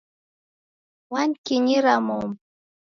Wanikinyira momu.